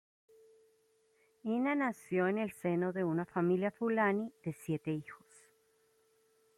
Inna nació en el seno de una familia fulani de siete hijos.